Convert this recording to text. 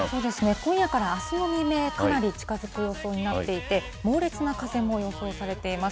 今夜からあすの未明、かなり近づく予想になっていて、猛烈な風も予想されています。